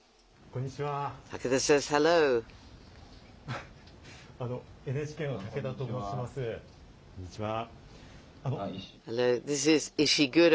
こんにちは。